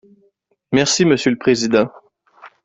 Merci, monsieur le président.